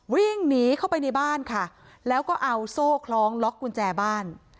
วิ่งหนีเข้าไปในบ้านค่ะแล้วก็เอาโซ่คล้องล็อกกุญแจบ้าน